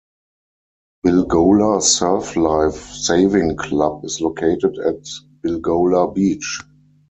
Bilgola Surf Life Saving Club is located at Bilgola Beach.